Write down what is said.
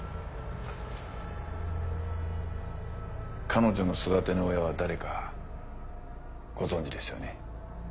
彼女の育ての親は誰かご存じですよね？